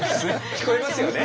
聞こえますよね。